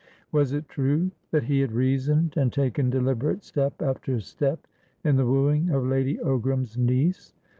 Was it true that he had reasoned and taken deliberate step after step in the wooing of Lady Ogram's niece?